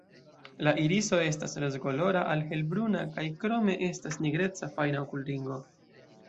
La iriso estas rozkolora al helbruna kaj krome estas nigreca fajna okulringo.